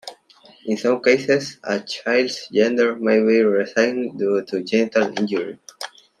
In some cases, a child's gender may be reassigned due to genital injury.